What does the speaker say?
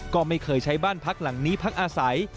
ก็ไม่เคยใช้บ้านพักหลังนี้พักอาศัย